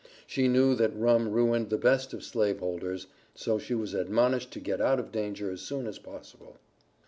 She knew that rum ruined the best of slave holders, so she was admonished to get out of danger as soon as possible.